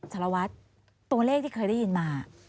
สารวัตรตัวเลขที่เคยได้ยินมา